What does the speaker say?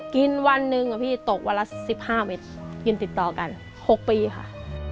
วันหนึ่งอะพี่ตกวันละ๑๕เมตรกินติดต่อกัน๖ปีค่ะ